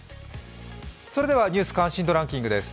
それでは「ニュース関心度ランキング」です。